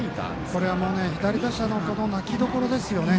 これも左打者の泣きどころですね。